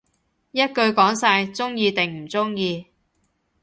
一句講晒，鍾意定唔鍾意